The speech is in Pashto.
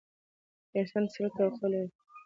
د انسان د تسلط توقع لري.